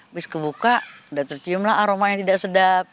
habis kebuka udah tercium lah aroma yang tidak sedap